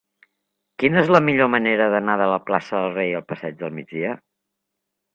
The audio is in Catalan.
Quina és la millor manera d'anar de la plaça del Rei al passeig del Migdia?